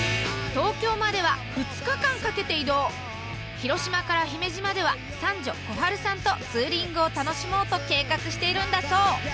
広島から姫路までは三女幸桜さんとツーリングを楽しもうと計画しているんだそう。